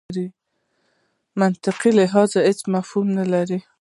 منطقي لحاظ هېڅ مفهوم نه لري.